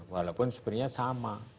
walaupun sebenarnya sama